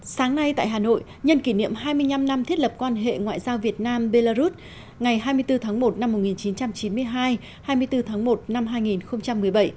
sáng nay tại hà nội nhân kỷ niệm hai mươi năm năm thiết lập quan hệ ngoại giao việt nam belarus ngày hai mươi bốn tháng một năm một nghìn chín trăm chín mươi hai hai mươi bốn tháng một năm hai nghìn một mươi bảy